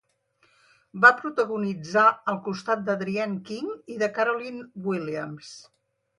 Va protagonitzar al costat de Adrienne King i de Caroline Williams.